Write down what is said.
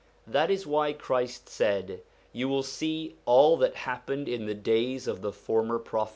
That is why Christ said: You will see all that happened in the days of the former Prophets.